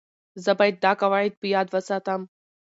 زه باید دا قواعد په یاد وساتم.